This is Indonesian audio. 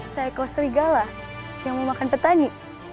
seekor serigala yang memakan petani